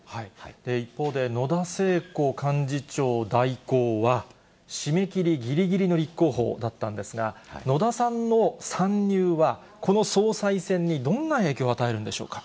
一方で、野田聖子幹事長代行は、締め切りぎりぎりの立候補だったんですが、野田さんの参入は、この総裁選にどんな影響を与えるんでしょうか？